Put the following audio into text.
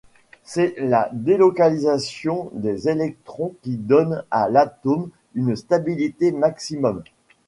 C'est la délocalisation des électrons qui donne à l'atome une stabilité maximum.